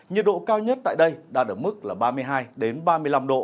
nhiệt độ cao nhất tại đây đạt ở mức là ba mươi hai ba mươi năm độ